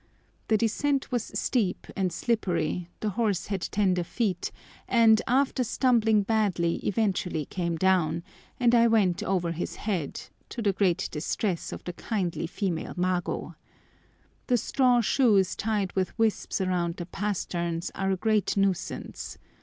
The descent was steep and slippery, the horse had tender feet, and, after stumbling badly, eventually came down, and I went over his head, to the great distress of the kindly female mago. The straw shoes tied with wisps round the pasterns are a great nuisance.